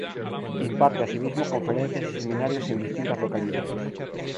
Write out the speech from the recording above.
Imparte asimismo conferencias y seminarios en distintas localidades.